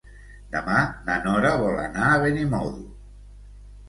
Demà na Nora vol anar a Benimodo.